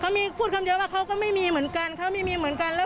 เขาพูดคำเดียวว่าเขาก็ไม่มีเหมือนกันแล้วพวกหนู